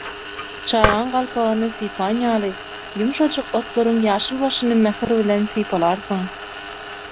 Çagaň galpagyny sypan ýaly, ýumşajyk otlaryň ýaşyl başyny mähir bilen sypalarsyň.